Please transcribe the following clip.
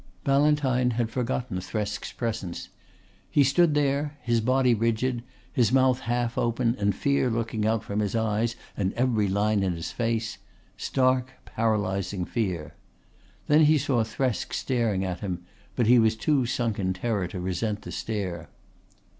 Ballantyne had forgotten Thresk's presence. He stood there, his body rigid, his mouth half open and fear looking out from his eyes and every line in his face stark paralysing fear. Then he saw Thresk staring at him, but he was too sunk in terror to resent the stare.